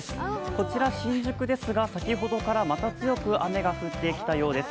こちら新宿ですが先ほどからまた強く雨が降ってきたようです。